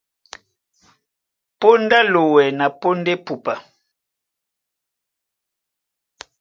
Póndá á lowɛ na póndá epupa.